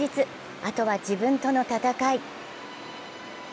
あとは自分との闘い。